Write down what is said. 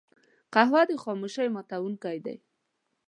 قهوه د خاموشۍ ماتونکی دی